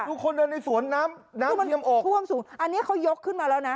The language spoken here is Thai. คนเดินในสวนน้ำน้ำเอียมออกท่วมสูงอันนี้เขายกขึ้นมาแล้วนะ